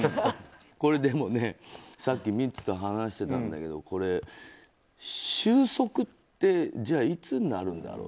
でもね、さっきミッツと話してたんだけど終息って、いつになるんだろう。